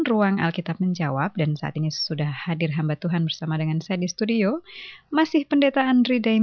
bunga itu dialah tuhan yesus yang kasih ke anak